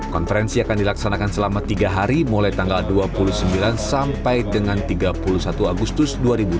konferensi akan dilaksanakan selama tiga hari mulai tanggal dua puluh sembilan sampai dengan tiga puluh satu agustus dua ribu dua puluh